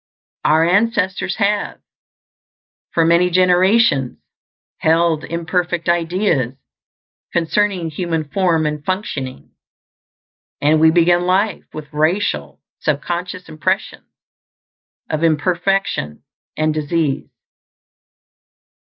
Our ancestors have, for many generations, held imperfect ideas concerning human form and functioning; and we begin life with racial sub conscious impressions of imperfection and disease.